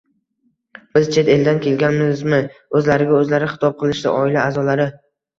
«Biz chet eldan kelganmizmi?!» – o‘zlariga o‘zlari xitob qilishdi oila a’zolari